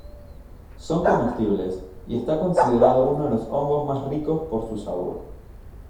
Son comestibles y está considerado uno de los hongos más ricos por su sabor.